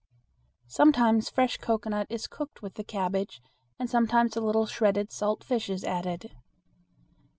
Sometimes fresh cocoanut is cooked with the cabbage and sometimes a little shredded salt fish is added.